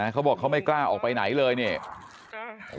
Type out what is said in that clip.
เขาบอกเขาไม่กล้าออกไปไหนเลยเนี่ย